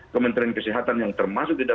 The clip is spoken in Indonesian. kementerian kesehatan yang termasuk